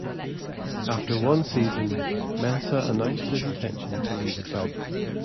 After one season, Mensah announced his intention to leave the club.